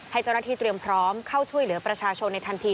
ให้เจ้าหน้าที่เตรียมพร้อมเข้าช่วยเหลือประชาชนในทันที